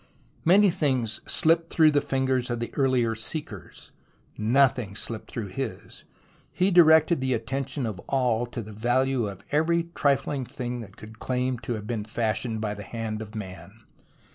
Many things slipped through the fingers of the earlier seekers. Nothing slipped through his. He directed the attention of all to the value of every trifling thing that could claim to have been fashioned by the hand of man.